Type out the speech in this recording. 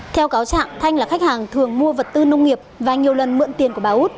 theo cáo trạng thanh là khách hàng thường mua vật tư nông nghiệp và nhiều lần mượn tiền của bà út